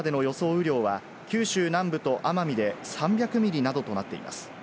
雨量は、九州南部と奄美で３００ミリなどとなっています。